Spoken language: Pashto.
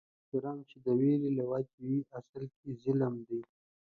هغه احترام چې د وېرې له وجې وي، اصل کې ظلم دي